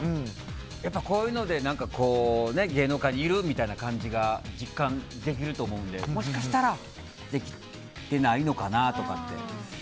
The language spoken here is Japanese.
こういうので芸能界にいるみたいな感じが実感できると思うのでもしかしたらできてないのかなとかって。